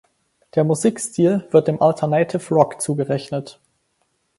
Der Musikstil wird dem Alternative Rock zugerechnet.